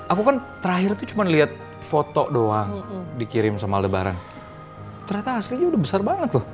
aku kan terakhir tuh cuma lihat foto doang dikirim sama lebaran ternyata aslinya udah besar banget loh